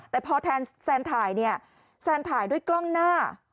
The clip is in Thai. แต่พอแซนถ่ายเนี่ยแซนถ่ายด้วยกล้องหน้า